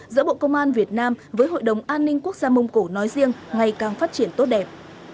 giữa bộ công an việt nam với hội đồng an ninh quốc gia mông cổ nói riêng ngày càng phát triển tốt đẹp